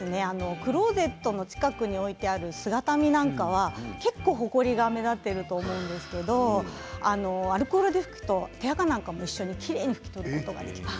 クローゼットの近くに置いてある姿見なんかは結構ほこりが目立っていると思うんですけどアルコールで拭くと手あかなんかも一緒にきれいに拭き取ることができます。